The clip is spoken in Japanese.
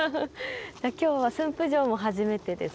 じゃ今日は駿府城も初めてですか。